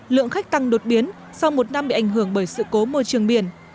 lượng khách tăng đột biến sau một năm bị ảnh hưởng bởi sự cố môi trường biển